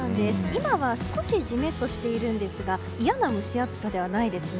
今は少しジメッとしているんですが嫌な蒸し暑さではないですね。